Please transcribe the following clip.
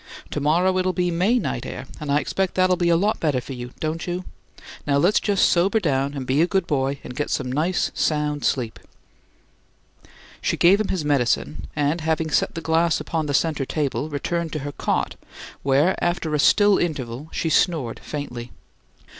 "To morrow it'll be May night air, and I expect that'll be a lot better for you, don't you? Now let's just sober down and be a good boy and get some nice sound sleep." She gave him his medicine, and, having set the glass upon the center table, returned to her cot, where, after a still interval, she snored faintly.